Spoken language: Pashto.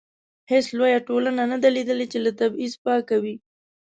هیڅ لویه ټولنه نه ده لیدلې چې له تبعیض پاکه وي.